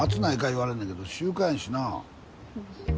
言われんねんけど習慣やしな。